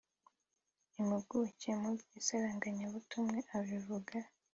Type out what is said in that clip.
impuguke mu by’isaranganyabutumwa abivuga